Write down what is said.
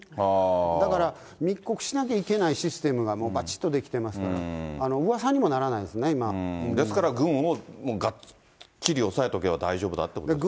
だから、密告しなきゃいけないシステムがもうばちっと出来てますから、うですから、軍をがっちり押さえておけば大丈夫ってことですか。